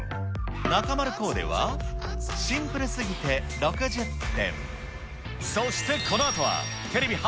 中丸コーデは、シンプル過ぎて６０点。